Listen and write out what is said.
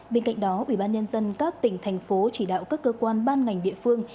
bên cạnh đó ủy ban nhân dân các tỉnh thành phố chỉ đạo các cơ quan ban ngành địa phương